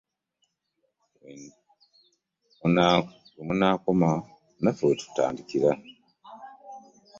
We munaakoma naffe we tunaatandikira.